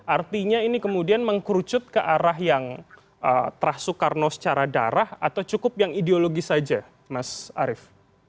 artinya ini kemudian mengkerucut ke arah yang terah soekarno secara darah atau cukup yang ideologis saja mas arief